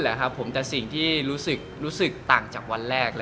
แต่สิ่งที่รู้สึกต่างจากวันแรก